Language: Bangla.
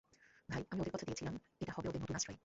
তাই, আমি ওদের কথা দিয়েছিলাম এটা হবে ওদের নতুন আশ্রয়।